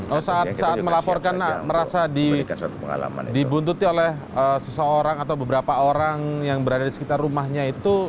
oh saat melaporkan merasa dibuntuti oleh seseorang atau beberapa orang yang berada di sekitar rumahnya itu